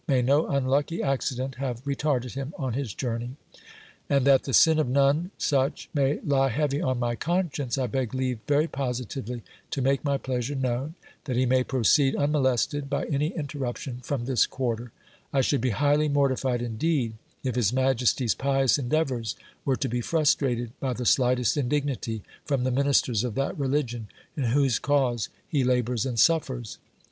May no unlucky acci dent have retarded him on his journey ! And that the sin of none such may lie heavy on my conscience, I beg leave very positively to make my pleasure known, fr at he may proceed unmolested by any interruption from this quarter ; I should b a highly mortified indeed, if his majesty's pious endeavours were to be frustrated by the slightest indignity from the ministers of that religion in whose cause he labours and suffers.